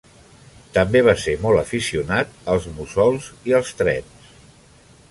També va ser molt aficionat als mussols i els trens.